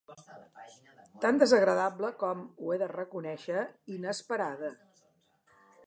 Tan desagradable com, ho he de reconèixer, inesperada.